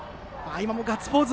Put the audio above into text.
今もガッツポーズ